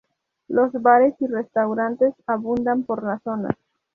Los bares y restaurantes abundan por la zona.